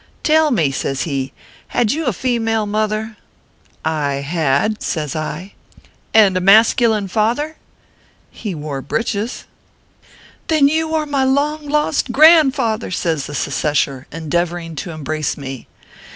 " Tell me," says he, " had you a female mother ?"" I had/ says I. " And a masculine father ?"" He wore breeches." " Then you are my long lost grandfather !" says the secesher, endeavoring to embrace me.